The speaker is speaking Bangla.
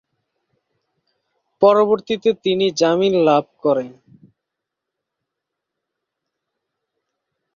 পরবর্তীতে তিনি জামিন লাভ করেন।